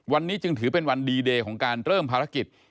วันนี้จึงถือเป็นวันดีเดย์ของการเริ่มภารกิจ